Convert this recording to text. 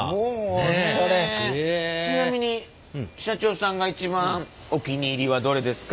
ちなみに社長さんが一番お気に入りはどれですか？